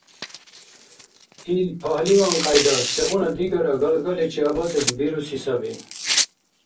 Ил, пагьливан кьяйда, сегъуна дигара галгаличи абацӀес бируси саби.